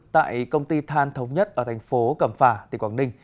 tại công ty than thống nhất ở thành phố cầm phà tỉnh quảng ninh